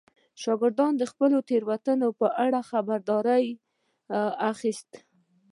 شاګردان د خپلو تېروتنو په اړه خبرداری اخیستل.